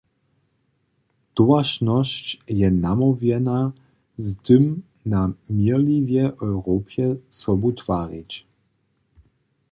Towaršnosće je namołwjena, z tym na měrliwej Europje sobu twarić.